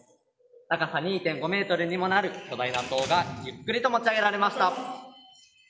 高さ２．５ｍにもなる巨大な塔がゆっくりと持ち上げられました。